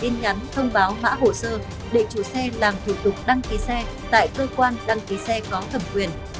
tin nhắn thông báo mã hồ sơ để chủ xe làm thủ tục đăng ký xe tại cơ quan đăng ký xe có thẩm quyền